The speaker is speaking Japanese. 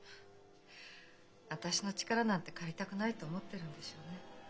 私の力なんて借りたくないと思ってるんでしょうね。